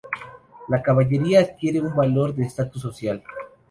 La caballería adquiere un valor de estatus social.